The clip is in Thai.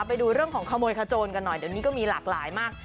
ไปดูเรื่องของขโมยขโจนกันหน่อยเดี๋ยวนี้ก็มีหลากหลายมาก